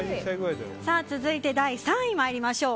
続いて第３位参りましょう。